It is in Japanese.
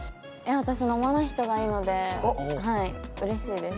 私飲まない人がいいのではいうれしいです。